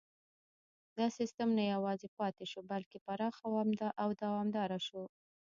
دا سیستم نه یوازې پاتې شو بلکې پراخ او دوامداره شو.